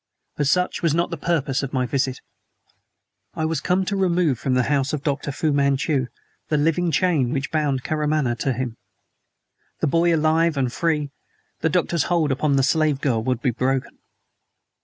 But such was not the purpose of my visit. I was come to remove from the house of Dr. Fu Manchu the living chain which bound Karamaneh to him. The boy alive and free, the Doctor's hold upon the slave girl would be broken.